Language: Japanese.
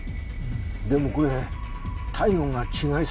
でもこれ体温が違いすぎない？